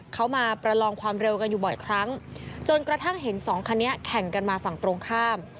เขามาประลองความเร็วกันอยู่บ่อยครั้งจนกระทั่งเห็นสองคันนี้แข่งกันมาฝั่งตรงข้าม